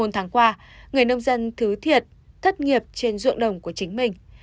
bốn tháng qua người nông dân thứ thiệt thất nghiệp trên ruộng đồng của chính mình